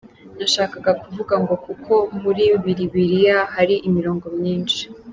Nashakaga kuvuga ngo kuko muri "Bibilya" hari imirongo myinshi.